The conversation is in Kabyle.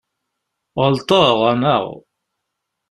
Ɣelḍeɣ, anaɣ?